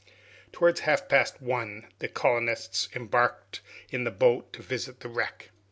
Towards half past one, the colonists embarked in the boat to visit the wreck.